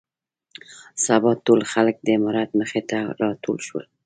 سبا ټول خلک د امارت مخې ته راټول شول.